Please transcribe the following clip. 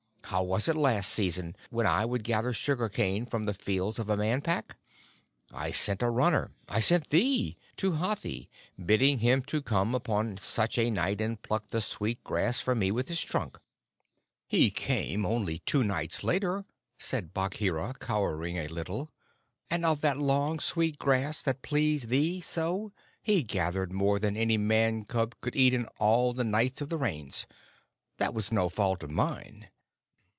How was it last season, when I would gather sugar cane from the fields of a Man Pack? I sent a runner I sent thee! to Hathi, bidding him to come upon such a night and pluck the sweet grass for me with his trunk." "He came only two nights later," said Bagheera, cowering a little; "and of that long, sweet grass that pleased thee so he gathered more than any Man cub could eat in all the nights of the Rains. That was no fault of mine."